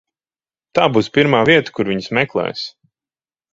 Tā būs pirmā vieta, kur viņus meklēs.